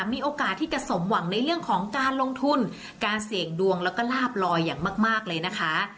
มีโอกาสที่จะสมหวังในเรื่องของการลงทุนการเสี่ยงดวงแล้วก็ลาบลอยอย่างมากเลยนะคะ